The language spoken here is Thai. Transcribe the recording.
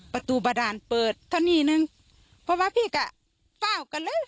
ประตูบาดานเปิดเท่านี้นึงเพราะว่าพี่ก็เฝ้ากันเลย